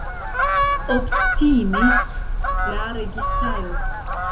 Obstinis la registaro.